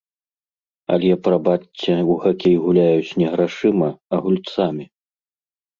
Але, прабачце, у хакей гуляюць не грашыма, а гульцамі!